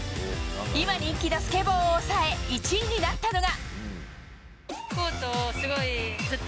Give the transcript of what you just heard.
今、人気のスケボーを抑え１位になったのが。